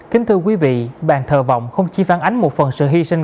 kính thưa quý vị bàn thờ vọng không chỉ phản ánh một phần sự hy sinh